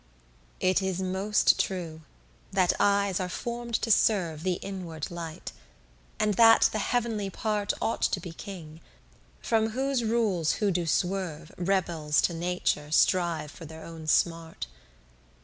5 It is most true, that eyes are form'd to serve The inward light; and that the heavenly part Ought to be king, from whose rules who do swerve, Rebles to Nature, strive for their own smart.